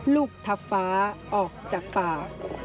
ลูกทัพฟ้าออกจากป่า